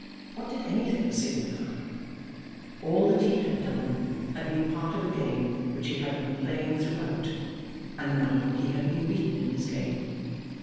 What did anything signify? All that he had done had been part of a game which he had been playing throughout, and now he had been beaten in his game.